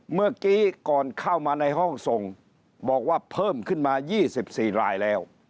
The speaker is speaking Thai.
เมื่อกี้ก่อนเข้ามาในห้องส่งบอกว่าเพิ่มขึ้นมา๒๔รายแล้ว